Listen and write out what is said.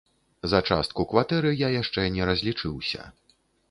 За частку кватэры я яшчэ не разлічыўся.